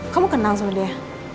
kamu kenal sama dia